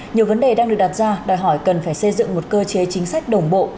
nhiều vấn đề đang được đặt ra đòi hỏi cần phải xây dựng một cơ chế chính sách đồng bộ